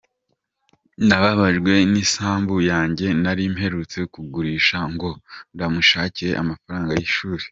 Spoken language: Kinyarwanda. Nababajwe n’isambu yanjye nari mperutse kugurisha ngo ndamushakira amafaranga y’ishuri.